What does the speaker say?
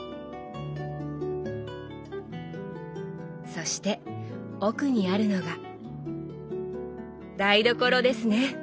そして奥にあるのが台所ですね！